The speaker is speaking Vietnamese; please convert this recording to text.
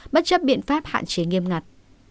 bất chấp biện pháp hạn chế nghiêm ngặt